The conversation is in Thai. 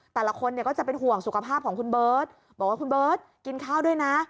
แต่ละคนเนี่ยก็จะเป็นห่วงสุขภาพของคุณเบิร์ตบอกว่าคุณเบิร์ตกินข้าวด้วยนะ